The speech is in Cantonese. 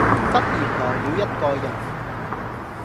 忽然來了一個人；